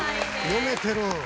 読めてる。